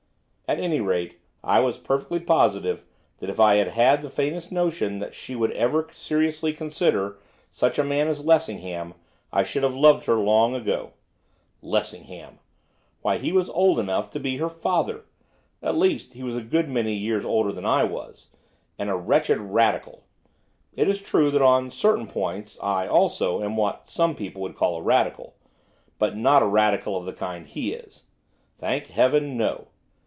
At any rate, I was perfectly positive that if I had had the faintest notion that she would ever seriously consider such a man as Lessingham I should have loved her long ago. Lessingham! Why, he was old enough to be her father, at least he was a good many years older than I was. And a wretched Radical! It is true that on certain points I, also, am what some people would call a Radical, but not a Radical of the kind he is. Thank Heaven, no!